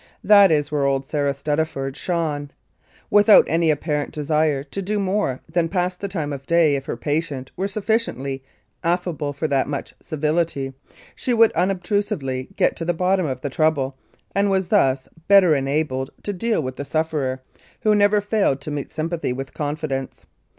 That is where old Sarah Stuttaford shone. Without any apparent desire to do more than pass the time of day if her patient were sufficiently affable for that much civility, she would unobtrusively get to the bottom of the trouble, and was thus better enabled to deal with the sufferer, who never failed to meet sympathy with confidence.